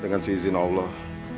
dengan si izin allah